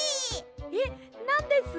えっなんです？